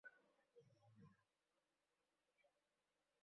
মাধবীলতা-বিতানে প্রবেশের দ্বার।